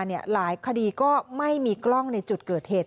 หลายคดีก็ไม่มีกล้องในจุดเกิดเหตุ